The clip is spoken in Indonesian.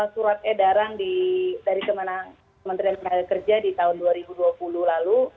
surat edarang dari kementerian pengajian kerja di tahun dua ribu dua puluh lalu